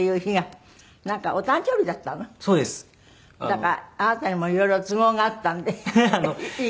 だからあなたにも色々都合があったんで行くのが。